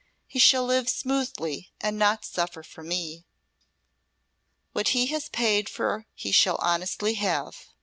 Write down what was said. He shall live smoothly, and not suffer from me. What he has paid for he shall honestly have.